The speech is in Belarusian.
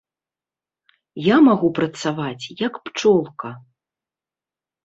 Я магу працаваць, як пчолка.